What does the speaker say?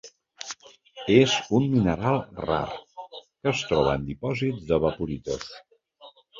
És un mineral rar, que es troba en dipòsits d'evaporites.